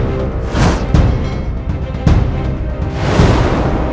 jangan lupa pak man